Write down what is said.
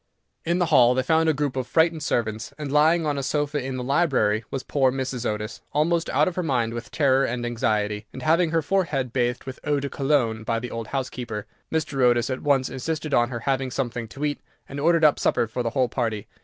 In the hall they found a group of frightened servants, and lying on a sofa in the library was poor Mrs. Otis, almost out of her mind with terror and anxiety, and having her forehead bathed with eau de cologne by the old housekeeper. Mr. Otis at once insisted on her having something to eat, and ordered up supper for the whole party.